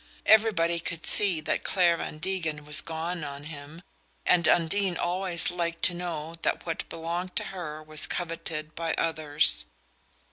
Everybody could see that Clare Van Degen was "gone" on him, and Undine always liked to know that what belonged to her was coveted by others.